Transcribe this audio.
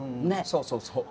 そうそうそう。